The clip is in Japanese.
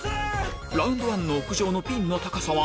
ＲＯＵＮＤ１の屋上のピンの高さは？